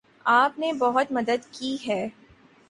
آپ نے بہت مدد کی ہے